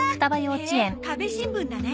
へえ壁新聞だね。